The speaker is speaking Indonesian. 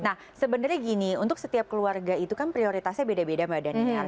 nah sebenarnya gini untuk setiap keluarga itu kan prioritasnya beda beda mbak dhani